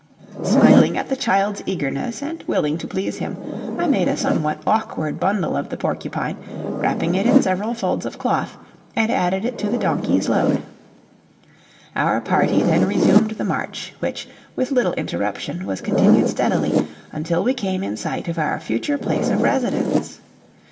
Smiling at the child's eagerness, and willing to please him, I made a somewhat awkward bundle of the porcupine, wrapping it in several folds of cloth, and added it to the donkey's load. Our party then resumed the march, which, with little interruption, was continued steadily, until we came in sight of our future place of residence.